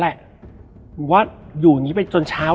แล้วสักครั้งหนึ่งเขารู้สึกอึดอัดที่หน้าอก